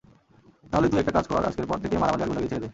তাহলে তুই একটা কাজ কর আজকের পর থেকে মারামারি আর গুন্ডাগিরি ছেড়ে দে।